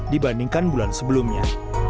dibandingkan bulan sebelumnya